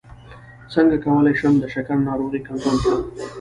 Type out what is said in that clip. څنګه کولی شم د شکر ناروغي کنټرول کړم